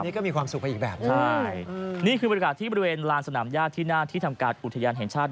อันนี้ก็มีความสุขไปอีกแบบใช่อืมนี่คือบริการที่บริเวณลานสนามย่าที่หน้าที่ทำกาศอุทยานแห่งชาติ